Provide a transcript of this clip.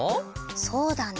そうだな。